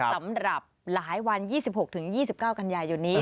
สำหรับหลายวัน๒๖๒๙กันยายนนี้